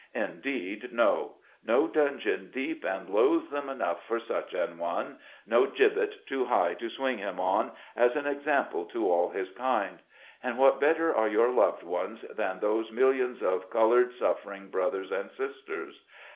Indeed, no ! no dungeon deep and loathsome enough for such an one ; no gibbet too high to swing him on, as an example to all his kind. And what better are your loved ones than those mil lions of colored suffering brothers and sisters